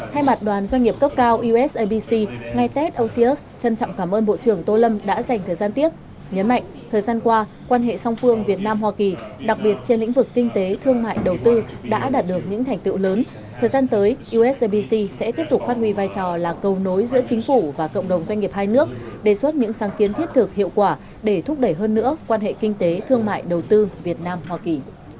thay mặt đoàn doanh nghiệp cấp cao usabc ngay tết ocs trân trọng cảm ơn bộ trưởng tô lâm đã dành thời gian tiếp nhấn mạnh thời gian qua quan hệ song phương việt nam hoa kỳ đặc biệt trên lĩnh vực kinh tế thương mại đầu tư đã đạt được những thành tựu lớn thời gian tới usabc sẽ tiếp tục phát huy vai trò là cầu nối giữa chính phủ và cộng đồng doanh nghiệp hai nước đề xuất những sáng kiến thiết thực hiệu quả để thúc đẩy hơn nữa quan hệ kinh tế thương mại đầu tư việt nam hoa kỳ